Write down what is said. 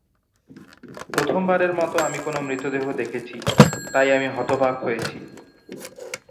প্রথমবারের মতো আমি কোনও মৃতদেহ দেখেছি তাই আমি হতবাক হয়েছি।